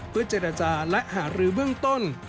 เพื่อเจรจาและหารือเบื้องต้น